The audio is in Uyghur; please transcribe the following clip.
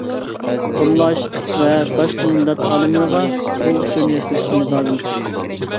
قوللاش ۋە باشقا مىللەت ئالىملىرىغا بۇ ئۇچۇرنى يەتكۈزۈشىمىز لازىم.